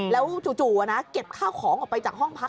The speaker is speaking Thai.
แล้วจู่นะเก็บข้าวของออกไปจากห้องพัก